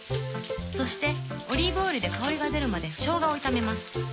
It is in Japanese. そしてオリーブオイルで香りが出るまでしょうがを炒めます。